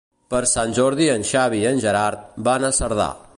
Per Sant Jordi en Xavi i en Gerard van a Cerdà.